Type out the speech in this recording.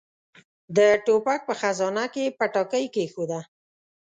د ټوپک په خزانه کې يې پټاکۍ کېښوده.